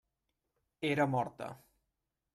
Era morta.